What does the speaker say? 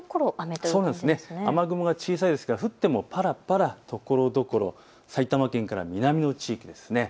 雨雲が小さいですから、降ってもぱらぱら、ところどころ、埼玉県から南の地域です。